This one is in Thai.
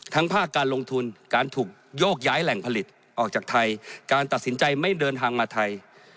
ภาคการลงทุนการถูกโยกย้ายแหล่งผลิตออกจากไทยการตัดสินใจไม่เดินทางมาไทย